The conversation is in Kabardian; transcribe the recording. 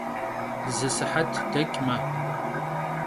Zı sıhet deç'me.